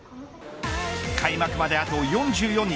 開幕まであと４４日。